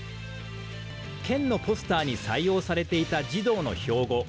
県のポスターに採用されていた児童の標語。